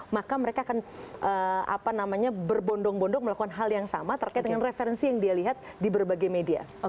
maka mereka akan berbondong bondong melakukan hal yang sama terkait dengan referensi yang dia lihat di berbagai media